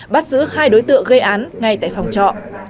bắt giữ hai đối tượng gây án ngay tại phòng trọ